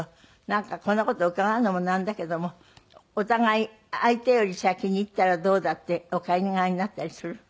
なんかこんな事伺うのもなんだけどもお互い相手より先に逝ったらどうだってお考えになったりする？